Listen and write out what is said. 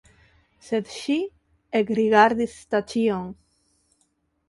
Sed ŝi ekrigardis Staĉjon.